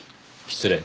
失礼。